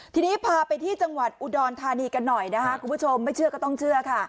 ทีนี้พาไปที่จังหวัดอุดรธานีกันหน่อยนะคะคุณผู้ชมไม่เชื่อก็ต้องเชื่อค่ะ